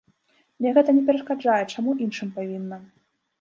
Мне гэта не перашкаджае, чаму іншым павінна?